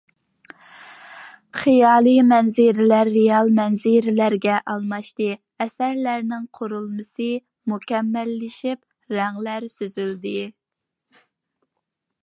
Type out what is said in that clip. خىيالىي مەنزىرىلەر رېئال مەنزىرىلەرگە ئالماشتى، ئەسەرلەرنىڭ قۇرۇلمىسى مۇكەممەللىشىپ، رەڭلەر سۈزۈلدى.